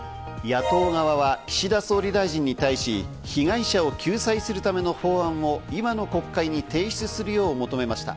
野党側は岸田総理大臣に対し、被害者を救済するための法案を今の国会に提出するよう求めました。